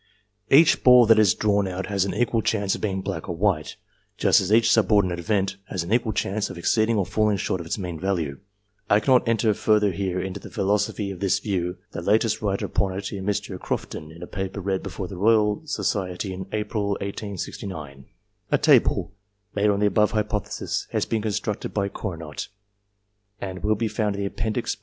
Each ball that is drawn out has an equal chance of being black or white, just as each subordinate event has an equal chance of exceeding or falling short of its mean value. I cannot enter further here into the philosophy of this view ; it has been discussed by many writers, and the subject is still inexhausted. A table, made on the above hypothesis, has been con structed by Cournot, and will be found in the Appendix, p.